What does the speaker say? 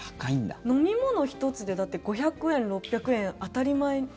飲み物１つで、だって５００円、６００円当たり前。